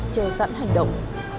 chờ sẵn hành động